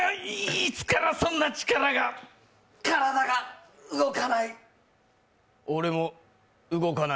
いつからそんな力が俺も動かない。